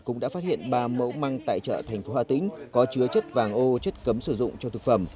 cũng đã phát hiện ba mẫu măng tại chợ thành phố hà tĩnh có chứa chất vàng ô chất cấm sử dụng cho thực phẩm